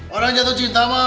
orang jatuh cinta mah